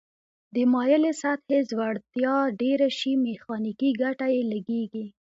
د مایلې سطحې ځوړتیا ډیره شي میخانیکي ګټه یې لږیږي.